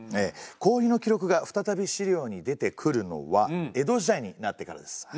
氷の記録が再び資料に出てくるのは江戸時代になってからです。